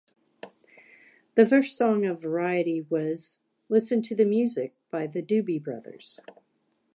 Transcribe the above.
The first song on "Variety" was "Listen to the Music" by The Doobie Brothers.